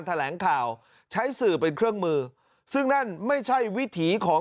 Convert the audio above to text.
แถลงข่าวใช้สื่อเป็นเครื่องมือซึ่งนั่นไม่ใช่วิถีของ